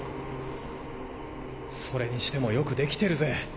それにしてもよく出来てるぜ。